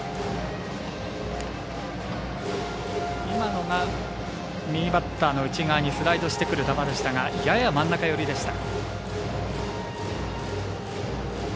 今のが右バッターの内側にスライドしてくる球でしたがやや真ん中寄りでした。